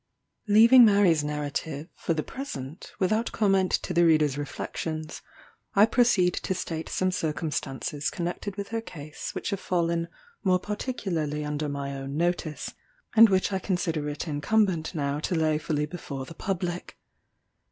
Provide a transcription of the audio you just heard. Leaving Mary's narrative, for the present, without comment to the reader's reflections, I proceed to state some circumstances connected with her case which have fallen more particularly under my own notice, and which I consider it incumbent now to lay fully before the public.